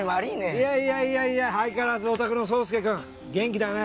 いやいやいやいや相変わらずお宅の宗助くん元気だね。